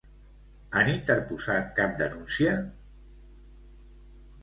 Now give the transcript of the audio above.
Han interposat cap denúncia?